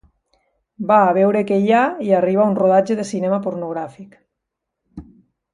Va a veure què hi ha i arriba a un rodatge de cinema pornogràfic.